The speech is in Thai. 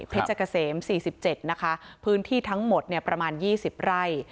เพชรเกษม๔๗นะคะพื้นที่ทั้งหมดประมาณ๒๐ไร่